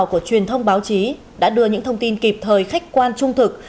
của truyền thông báo chí đã đưa những thông tin kịp thời khách quan trung thực